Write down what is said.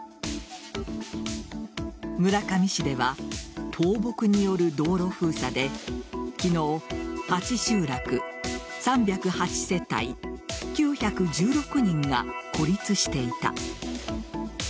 村上市では倒木による道路封鎖で昨日８集落、３０８世帯、９１６人が孤立していた。